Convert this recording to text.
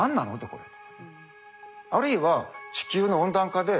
これ」とか。